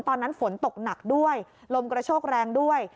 ตอนนั้นฝนตกหนักด้วยลมกระโชกแรงด้วย